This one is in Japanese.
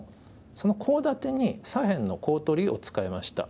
そのコウ立てに左辺のコウ取りを使いました。